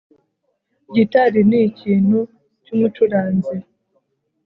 gitari ni ikintu cyumucuranzi